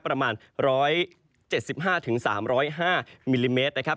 ประมาณ๑๗๕๓๐๕มิลลิเมตรนะครับ